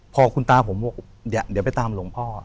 พอคุณตาผมบอกเดี๋ยวไปตามหลวงพ่อ